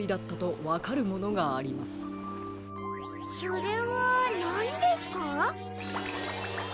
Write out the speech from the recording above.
それはなんですか。